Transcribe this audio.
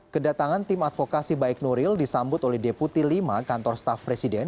kedatangan tim advokasi baik nuril disambut oleh deputi lima kantor staff presiden